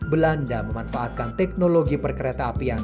belanda memanfaatkan teknologi perkereta apian